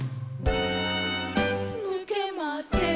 「ぬけません」